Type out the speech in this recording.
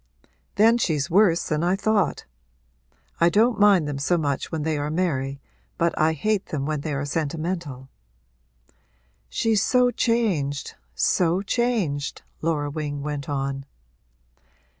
'Then she's worse than I thought. I don't mind them so much when they are merry but I hate them when they are sentimental.' 'She's so changed so changed!' Laura Wing went on.